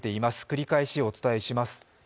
繰り返しお伝えします。